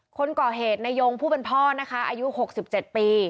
คนก่อเหตุในโยงผู้เป็นพ่อนะคะอายุหกสิบเจ็ดปี